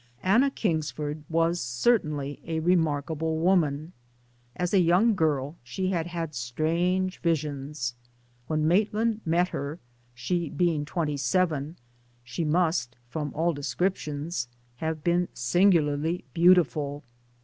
Anna Kingsford was certainly a remarkable woman. As a young girl she had had strange visions. When Maitland met her (she being twenty seven) she must from all descriptions have been singularly beautiful.